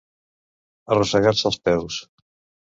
Arrossegar-se als peus.